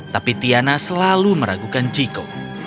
tapi tiana selalu meragukan jiko